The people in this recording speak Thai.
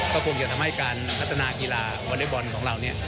เขากลงจะทำให้การพัฒนากีฬาวอเล็กบอลของเรา